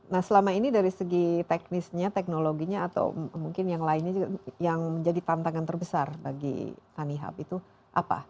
nah selama ini dari segi teknisnya teknologinya atau mungkin yang lainnya juga yang menjadi tantangan terbesar bagi tanihub itu apa